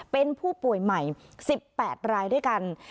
เป็นผู้ป่วยใหม่๑๘รายด้วยกัน